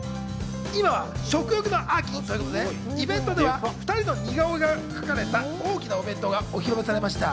今は食欲の秋ということでイベントでは２人の似顔絵が描かれた大きなお弁当がお披露目されました。